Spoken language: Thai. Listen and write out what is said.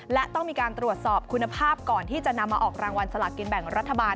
และต้องมีการตรวจสอบคุณภาพก่อนที่จะนำมาออกรางวัลสลากกินแบ่งรัฐบาล